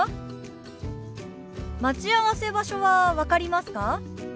待ち合わせ場所は分かりますか？